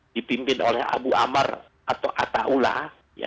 dipimpin oleh abu amar atau ata ullah